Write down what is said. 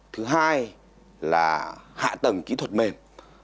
thứ hai là hạ tầng kỹ thuật mềm